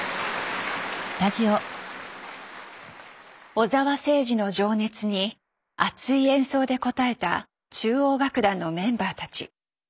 小澤征爾の情熱に熱い演奏で応えた中央楽団のメンバーたち。